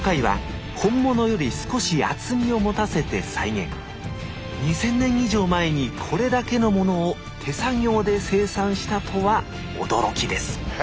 今回は２、０００年以上前にこれだけのものを手作業で生産したとは驚きですへえ